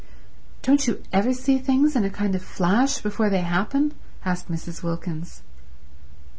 "Don't you ever see things in a kind of flash before they happen?" asked Mrs. Wilkins.